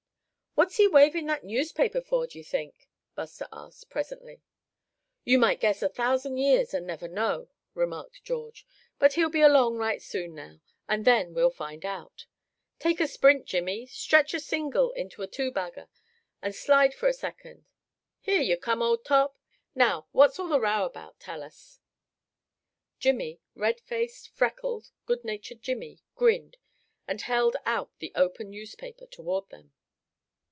"What's he waving that newspaper for, d'ye think?" Buster asked, presently. "You might guess a thousand years, and never know," remarked George, "but he'll be along right soon now, and then we'll find out. Take a sprint, Jimmie; stretch a single into a two bagger, and slide for second! Here you come, old top! Now, what's all the row about; tell us?" Jimmie, red faced, freckled, good natured Jimmie, grinned, and held out the open newspaper toward them.